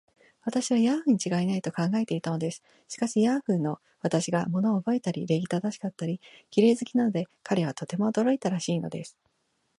私をヤーフにちがいない、と考えていたのです。しかし、ヤーフの私が物をおぼえたり、礼儀正しかったり、綺麗好きなので、彼はとても驚いたらしいのです。